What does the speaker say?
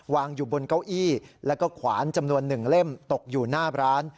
วางอยู่บนเก้าอี้แล้วก็ขวานจำนวน๑เล่มตกอยู่หน้าร้าน